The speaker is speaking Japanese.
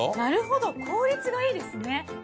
なるほど効率がいいですね。